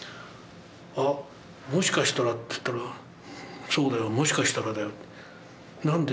「あっもしかしたら」って言ったら「そうだよもしかしたらだよ何で？」。